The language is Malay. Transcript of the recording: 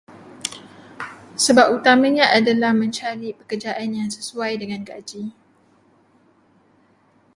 Sebab utamanya adalah mencari pekerjaan yang sesuai dengan gaji.